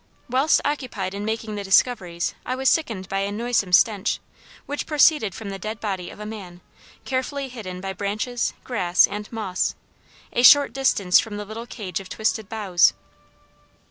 Whilst occupied in making the discoveries I was sickened by a noisome stench, which proceeded from the dead body of a man, carefully hidden by branches, grass, and moss, a short distance from the little cage of twisted boughs.